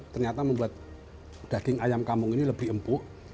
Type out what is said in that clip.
ternyata membuat daging ayam kampung ini lebih empuk